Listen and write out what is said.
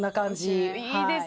いいですね。